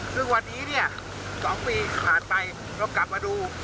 ซึ่งวันนี้เนี่ย๒ปีผ่านไปเรากลับมาดู